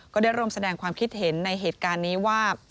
ก็ได้ร่วมแสดงความคิดเห็นในเหตุการณ์นี้ว่า